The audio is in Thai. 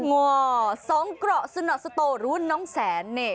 ว่าสองเกราะสนสโตรุ่นน้องแสนนี่